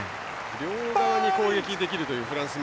両側に攻撃できるというフランス。